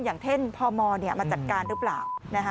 อย่างเช่นพมมาจัดการหรือเปล่า